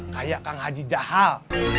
kayak kang haji jahal